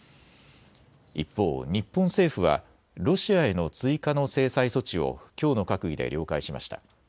一方、日本政府はロシアへの追加の制裁措置をきょうの閣議で了解しました。